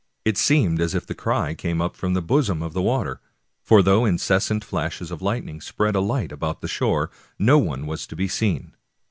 It seemed as if the cry came up from the bosom of the waters, for though incessant flashes of lightning spread a light about the shore, no one was to be seen.